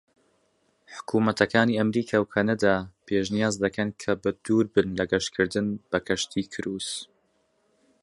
حکومەتەکانی ئەمەریکا و کەنەدا پێشنیاز دەکەن کە بە دووربن لە گەشتکردن بە کەشتی کروس.